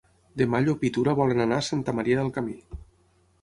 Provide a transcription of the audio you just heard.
Demà en Llop i na Tura volen anar a Santa Maria del Camí.